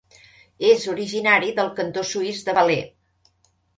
És originari del cantó suís de Valais.